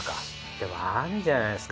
でもあるんじゃないですか？